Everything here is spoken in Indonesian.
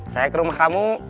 saya ke rumah kamu